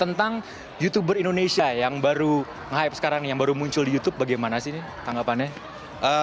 tentang youtuber indonesia yang baru hype sekarang yang baru muncul di youtube bagaimana sih tanggapannya